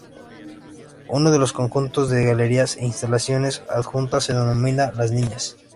Uno de los conjuntos de galerías e instalaciones adjuntas se denomina Las Niñas.